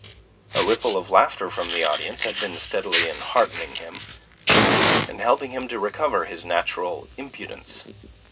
A ripple of laughter from the audience had been steadily enheartening him, and helping him to recover his natural impudence.